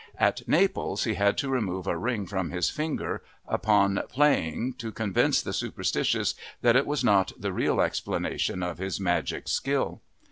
At Naples he had to remove a ring from his finger upon playing to convince the superstitious that it was not the real explanation of his "magic" skill.